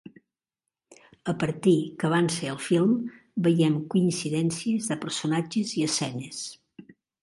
A partir que avança el film, veiem coincidències de personatges i escenes.